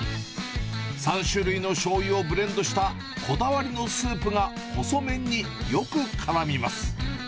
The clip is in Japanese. ３種類のしょうゆをブレンドしたこだわりのスープが、細麺によく絡みます。